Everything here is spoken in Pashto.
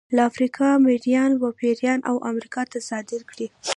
له افریقا مریان وپېري او امریکا ته صادر کړي.